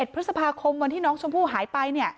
พฤษภาคมวันที่น้องชมพู่หายไป